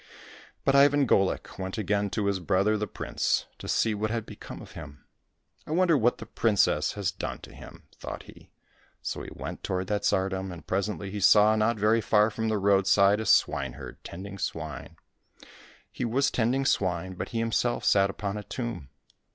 But Ivan Golik went again to his brother the prince, to see what had become of him. " I wonder what the princess has done to him }" thought he. So he went toward that tsardom, and presently he saw not very far from the roadside, a swineherd tending swine ; he was tending swine, but he himself sat upon a tomb.